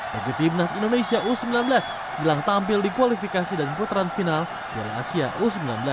bagi timnas indonesia u sembilan belas jelang tampil di kualifikasi dan putaran final dari asia u sembilan belas